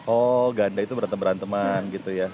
oh ganda itu berantem beranteman gitu ya